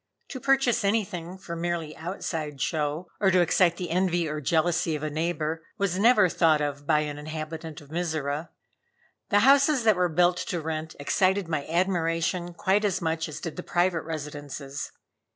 To purchase anything for merely outside show, or to excite the envy or jealousy of a neighbor, was never thought of by an inhabitant of Mizora. The houses that were built to rent excited my admiration quite as much as did the private residences.